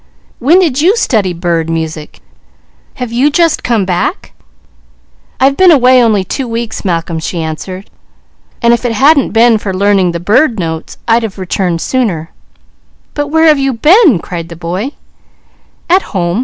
"When did you study bird music? Have you just come back?" "I've been away only two weeks, Malcolm," she answered, "and if it hadn't been for learning the bird notes, I'd have returned sooner." "But where have you been?" cried the boy. "At home.